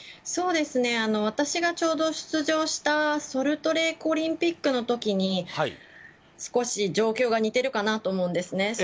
私がちょうど出場したソルトレークオリンピックの時に少し状況が似ているかなと思うんですね。